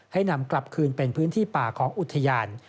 ให้นำกลับคืนเป็นพื้นที่ป่าของอุทยาน